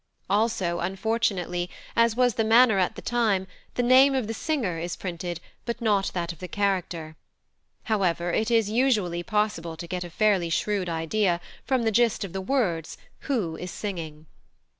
Also, unfortunately, as was the manner at the time, the name of the singer is printed, but not that of the character; however, it is usually possible to get a fairly shrewd idea, from the gist of the words, who is singing.